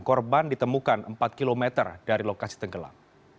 korban ditemukan empat km dari lokasi tenggelam